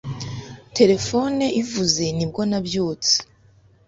Terefone ivuze ni bwo nabyutse.